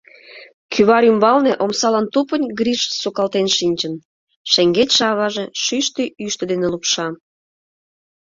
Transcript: Кӱвар ӱмбалне омсалан тупынь Гриш сукалтен шинчын, шеҥгечше аваже шӱштӧ ӱштӧ дене лупша.